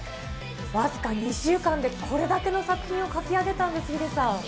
僅か２週間でこれだけの作品を描き上げたんです、ヒデさん。